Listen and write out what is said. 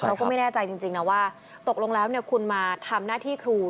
เราก็ไม่แน่ใจจริงนะว่าตกลงแล้วคุณมาทำหน้าที่ครู